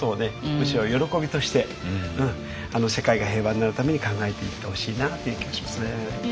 むしろ喜びとして世界が平和になるために考えていってほしいなという気がしますね。